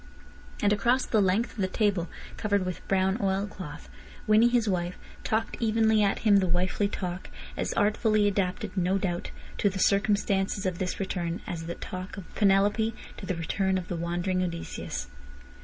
And across the length of the table covered with brown oil cloth Winnie, his wife, talked evenly at him the wifely talk, as artfully adapted, no doubt, to the circumstances of this return as the talk of Penelope to the return of the wandering Odysseus.